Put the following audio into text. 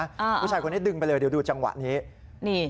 ผู้ชายคนนี้ดึงไปเลยเดี๋ยวดูจังหวะนี้นี่